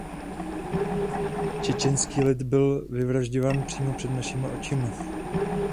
Čečenský lid byl vyvražďován přímo před našima očima.